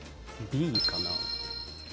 Ｂかな。